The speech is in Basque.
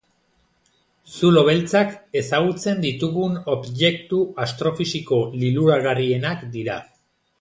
Zulo beltzak ezagutzen ditugun objektu astrofisiko liluragarrienak dira.